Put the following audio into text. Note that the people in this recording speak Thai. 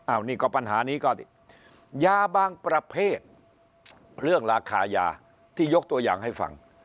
อันนี้ก็ปัญหานี้ก็ยาบางประเภทเรื่องราคายาที่ยกตัวอย่างให้ฟัง